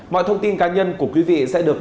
mọi thông tin cá nhân của quý vị sẽ được